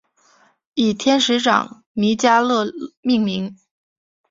以天使长米迦勒命名。